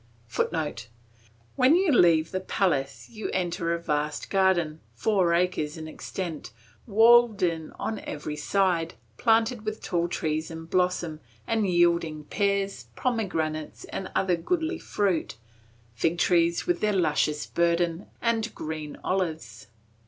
[Footnote: "'When you leave the palace you enter a vast garden, four acres in extent, walled in on every side, planted with tall trees in blossom, and yielding pears, pomegranates, and other goodly fruits, fig trees with their luscious burden and green olives.